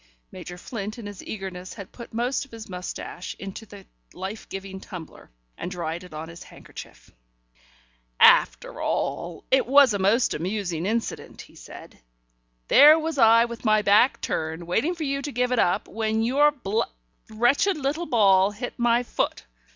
Major Flint in his eagerness had put most of his moustache into the life giving tumbler, and dried it on his handkerchief. "After all, it was a most amusing incident," he said. "There was I with my back turned, waiting for you to give it up, when your bl wretched little ball hit my foot.